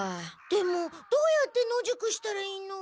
でもどうやって野宿したらいいの？